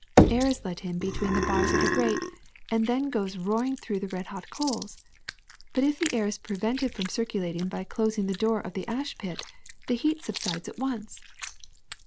*'Air is let in between the bars of the grate and then goes roaring through the red hot coals. But if the air is prevented from circulating by closing the door of the ash pit, the heat subsides at once."